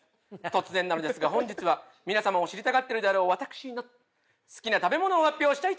突然なのですが本日は皆様も知りたがってるであろう私の好きな食べ物を発表したいと思います。